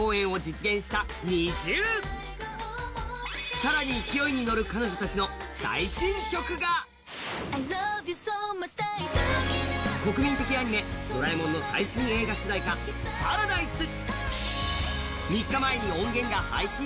さらに勢いに乗る彼女たちの最新曲が、国民的アニメ「ドラえもん」の最新映画主題歌「Ｐａｒａｄｉｓｅ」。